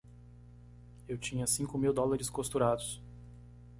Eu tinha cinco mil dólares costurados!